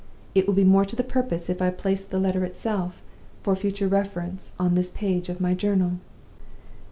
It will be more to the purpose if I place the letter itself, for future reference, on this page of my journal.